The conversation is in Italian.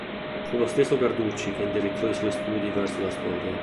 Fu lo stesso Carducci che indirizzò i suoi studi verso la storia.